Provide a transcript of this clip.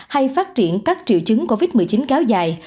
hay phát triển các triệu chứng covid một mươi chín kéo dài